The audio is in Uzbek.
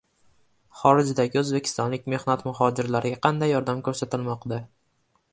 Xorijdagi o‘zbekistonlik mehnat muhojirlariga qanday yordam ko‘rsatilmoqda?